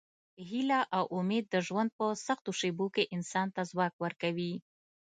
هیله او امید د ژوند په سختو شېبو کې انسان ته ځواک ورکوي.